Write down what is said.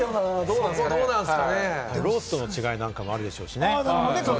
ローストの違いもあるでしょうしね。